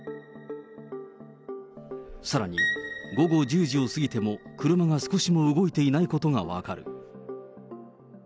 さらに、午後１０時を過ぎても車が少しも動いていないことが分かる。